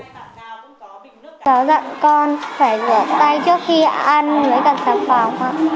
giáo dạng con phải rửa tay trước khi ăn với cả sàng phòng